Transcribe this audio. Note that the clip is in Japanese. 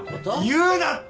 言うなって！